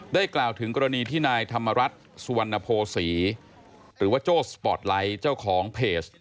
กล่าวถึงกรณีที่นายธรรมรัฐสุวรรณโภษีหรือว่าโจ้สปอร์ตไลท์เจ้าของเพจ